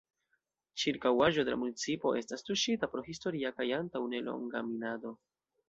Ĉirkaŭaĵo de la municipo estas tuŝita pro historia kaj antaŭ nelonga minado.